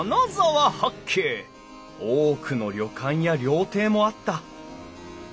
多くの旅館や料亭もあった。